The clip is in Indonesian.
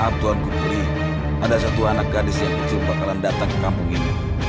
maaf tuanku pri ada satu anak gadis yang mencoba kalian datang ke kampung ini